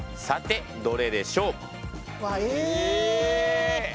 さてどれでしょう。